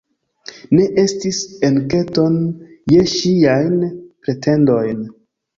Ne estis enketon je ŝiajn pretendojn.